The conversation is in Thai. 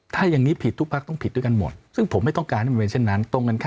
ถ้าอย่างนี้ผิดทุกพักต้องผิดด้วยกันหมดซึ่งผมไม่ต้องการมันเป็นเช่นนั้น